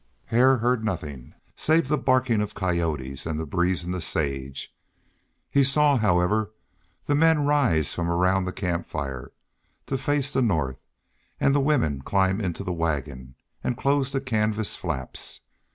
Hare heard nothing save the barking of coyotes and the breeze in the sage. He saw, however, the men rise from round the camp fire to face the north, and the women climb into the wagon, and close the canvas flaps.